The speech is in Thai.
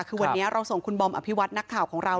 คือวันนี้เราส่งคุณบอมอภิวัตินักข่าวของเรา